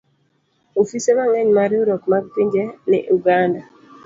Ofise mang'eny mag Riwruok mar Pinje ni Uganda.